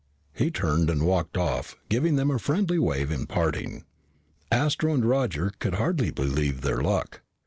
He turned and walked off, giving them a friendly wave in parting. Astro and Roger could hardly believe their luck.